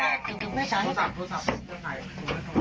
ติดเตียงได้ยินเสียงลูกสาวต้องโทรโทรศัพท์ไปหาคนมาช่วย